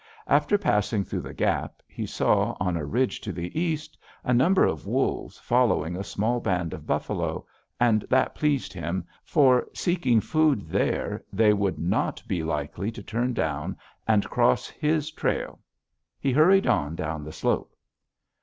After passing through the gap he saw, on a ridge to the east, a number of wolves following a small band of buffalo, and that pleased him, for, seeking food there, they would not be likely to turn and cross his trail. He hurried on down the slope.